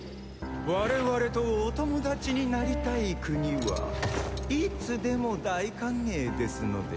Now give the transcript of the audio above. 我々とお友達になりたい国はいつでも大歓迎ですので。